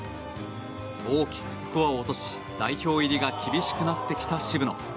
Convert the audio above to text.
大きくスコアを落とし代表入りが厳しくなってきた渋野。